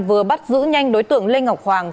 vừa bắt giữ nhanh đối tượng lê ngọc hoàng